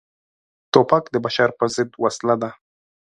توپک د بشر پر ضد وسله ده.